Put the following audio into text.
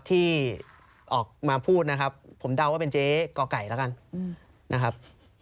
ที่ออกมาพูดนะครับผมเดาว่าเป็นเจ๊ก่อไก่แล้วกันนะครับ